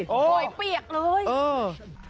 หอยเปียกเลย